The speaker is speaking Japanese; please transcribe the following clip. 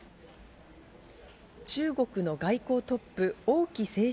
中国の外交トップ、オウ・キ政治